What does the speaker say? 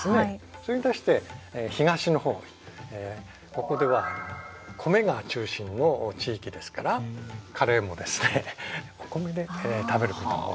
それに対して東の方ここでは米が中心の地域ですからカレーもですねお米で食べることが多い。